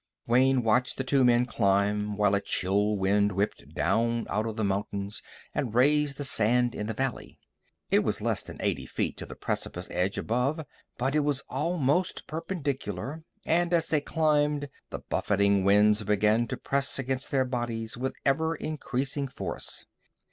Wayne watched the two men climb, while a chill wind whipped down out of the mountains and raised the sand in the valley. It was less than eighty feet to the precipice edge above, but it was almost perpendicular, and as they climbed, the buffeting winds began to press against their bodies with ever increasing force.